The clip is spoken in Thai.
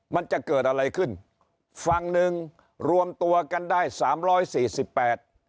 มันจะเกิดอะไรขึ้นฝั่งหนึ่งรวมตัวกันได้สามร้อยสี่สิบแปด